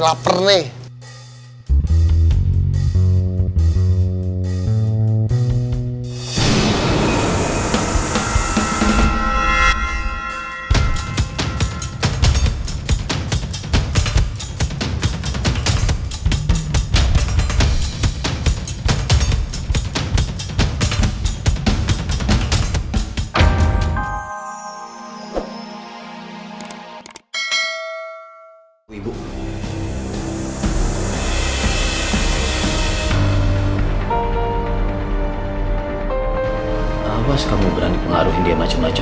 awas kamu berani pengaruhin dia macem macem